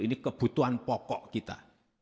ini kebutuhan pokok kita